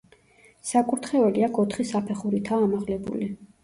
საკურთხეველი აქ ოთხი საფეხურითაა ამაღლებული.